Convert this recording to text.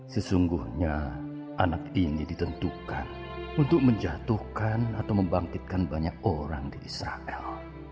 sesungguhnya anak ini ditentukan untuk menjatuhkan atau membangkitkan banyak orang di israel